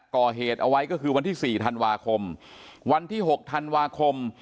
ก่อเหตุเอาไว้ก็คือวันที่สี่ธันวาคมวันที่๖ธันวาคม